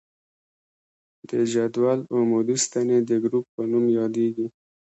د جدول عمودي ستنې د ګروپ په نوم یادیږي.